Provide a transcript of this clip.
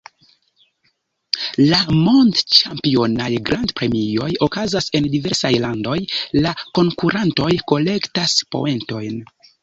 La mond-ĉampionaj grand-premioj okazas en diversaj landoj, la konkurantoj kolektas poentojn.